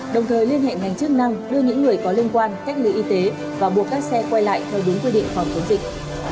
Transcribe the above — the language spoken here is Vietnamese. đồng thời liên hệ ngành chức năng đưa những người có liên quan cách ly y tế và buộc các xe quay lại theo đúng quy định phòng chống dịch